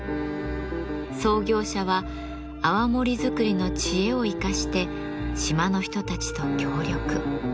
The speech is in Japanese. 創業者は泡盛づくりの知恵を生かして島の人たちと協力。